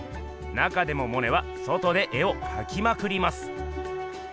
なかでもモネは外で絵をかきまくります。